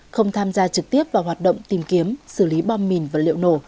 không tham gia trực tiếp vào hoạt động tìm kiếm xử lý bom mìn vật liệu nổ